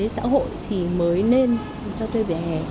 xã hội thì mới nên cho thuê vỉa hè